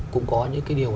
cũng có những cái điều